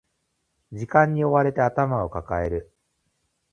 時間に追われて頭を抱える